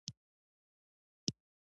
تولید باید څنګه کورنی شي؟